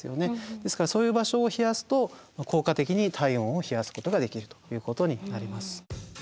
ですからそういう場所を冷やすと効果的に体温を冷やすことができるということになります。